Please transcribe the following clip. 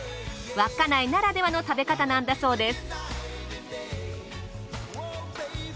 稚内ならではの食べ方なんだそうです。